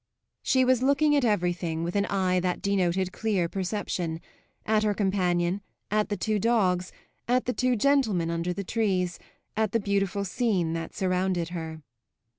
She was looking at everything, with an eye that denoted clear perception at her companion, at the two dogs, at the two gentlemen under the trees, at the beautiful scene that surrounded her.